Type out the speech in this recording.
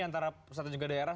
antara pusat dan juga daerah